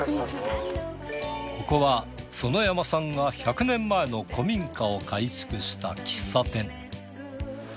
ここは園山さんが１００年前の古民家を改築した喫茶店。